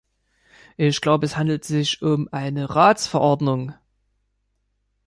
Ich glaube, es handelt sich um eine Ratsverordnung.